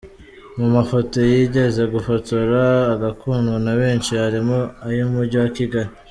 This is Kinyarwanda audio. Mu mafoto yigeze gufotora agakundwa na benshi, harimo ay’umujyi wa Kigali.